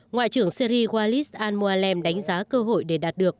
ngoại trưởng syri walis al muahalem đánh giá cơ hội để đạt được